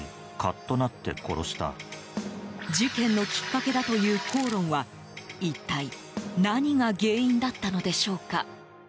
事件のきっかけだという口論は一体何が原因だったのでしょうか。